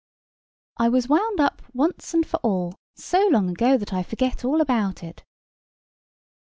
"I was wound up once and for all, so long ago, that I forget all about it."